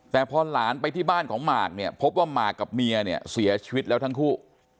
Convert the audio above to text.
แต่พอหลานไปที่บ้านของมาร์กพบว่ามาร์กกับเมียเสียชีวิตแล้วทั้งคู่